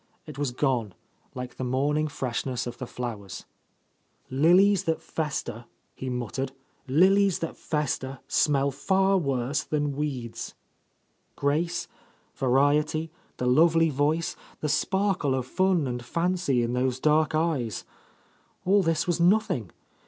It was gone, like the morning freshness of the flowers. — 86 — A Lost Lady "Lilies that fester," he muttered, "lilies that fester smell far worse than weeds, Grace, variety, the lovely voice, the sparkle of fun and fancy in those dark eyes; all this was nothing.